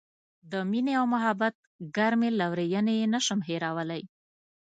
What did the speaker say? د مینې او محبت ګرمې لورینې یې نه شم هیرولای.